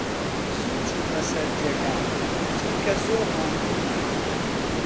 زوو چوومە سەر جێگا، چونکە زۆر ماندوو بووم.